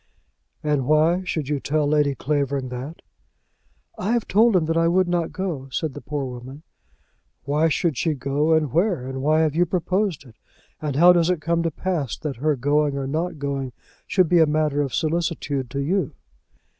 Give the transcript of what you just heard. "And why should you tell Lady Clavering that?" "I have told him that I would not go," said the poor woman. "Why should she go, and where; and why have you proposed it? And how does it come to pass that her going or not going should be a matter of solicitude to you?"